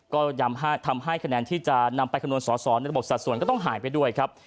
ก็ย้ำทำให้คะแนนที่จะนำไปคำนวณสอสอในระบบสัดส่วนก็ต้องหายไปด้วยครับ